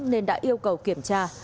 nên đã yêu cầu kiểm tra